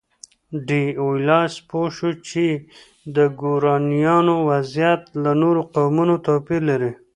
ډي ایولاس پوه شو چې د ګورانیانو وضعیت له نورو قومونو توپیر لري.